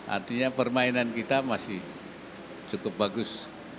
artinya permainan kita masih cukup bagus